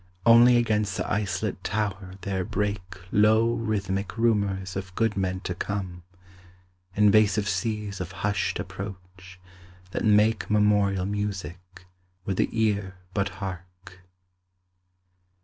Only against the isolate Tower there break Low rhythmic rumours of good men to come: Invasive seas of hushed approach, that make Memorial music, would the ear but hark.